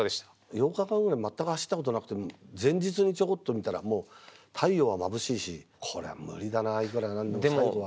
８日間ぐらい全く走ったことなくて前日にちょこっと見たらもう太陽はまぶしいしいくら何でも最後は。